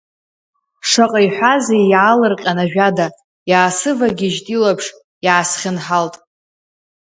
Шаҟа иҳәазеи иаалырҟьан ажәада, иаасывагьежьт илаԥш, иаасхьынҳалт.